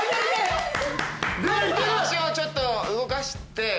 足をちょっと動かして。